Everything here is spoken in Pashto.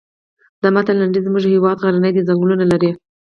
د متن لنډیز زموږ هېواد غرنی دی ځنګلونه لري.